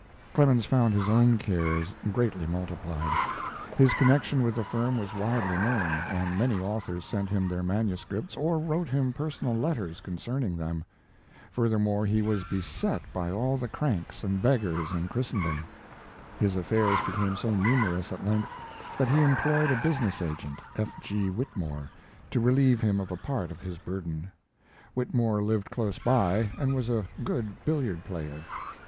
Clemens found his own cares greatly multiplied. His connection with the firm was widely known, and many authors sent him their manuscripts or wrote him personal letters concerning them. Furthermore, he was beset by all the cranks and beggars in Christendom. His affairs became so numerous at length that he employed a business agent, F. G. Whitmore, to relieve him of a part of his burden. Whitmore lived close by, and was a good billiard player.